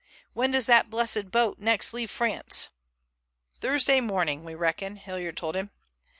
When does that blessed boat next leave France?" "Thursday morning, we reckon," Hilliard told him.